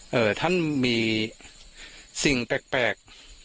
ฮะท่านมีสิ่งแปลก